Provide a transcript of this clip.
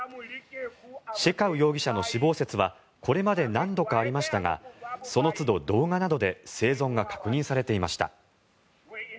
シェカウ容疑者の死亡説はこれまで何度かありましたがそのつど動画などで生存が確認されていました。